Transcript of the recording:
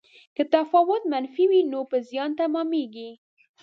که تفاوت منفي وي نو په زیان تمامیږي.